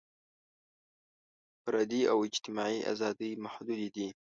فردي او اجتماعي ازادۍ محدودې دي.